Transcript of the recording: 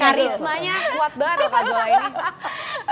karismanya kuat banget loh kak zola ini